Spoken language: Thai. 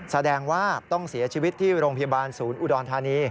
แสดงว่าต้องเสียชีวิตที่โรงพยาบาลศูนย์อุดรธานี